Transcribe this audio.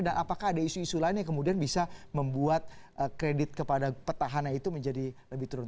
dan apakah ada isu isu lain yang kemudian bisa membuat kredit kepada petahannya itu menjadi lebih turun